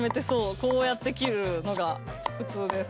こうやって切るのが普通です。